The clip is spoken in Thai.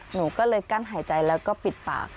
หนูก็เลยกั้นหายใจแล้วก็ปิดปาก